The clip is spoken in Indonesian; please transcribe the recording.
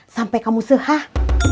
sampai kamu sehah